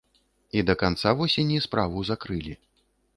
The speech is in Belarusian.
А да канца восені справу закрылі.